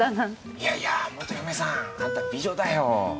いやいや元嫁さんあんた美女だよ！